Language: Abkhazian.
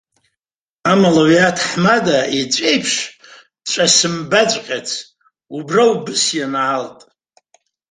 Амала, уи аҭаҳмада иҵәа еиԥш ҵәа сымбаҵәҟьац, убра убас ианаалт.